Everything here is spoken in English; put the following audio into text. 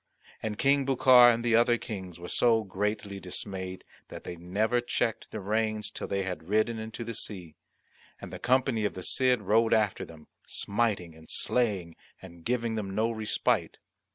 And King Bucar and the other Kings were so greatly dismayed that they never checked the reins till they had ridden into the sea; and the company of the Cid rode after them, smiting and slaying and giving them, no respite.